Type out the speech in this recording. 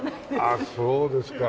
あっそうですか。